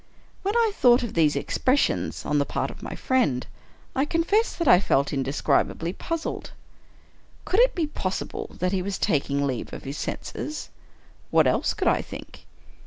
When I thought of these expressions, on the part of my friend, I confess that I felt indescribably puzzled. Could it be possible that he was taking leave of his senses? What else could I think?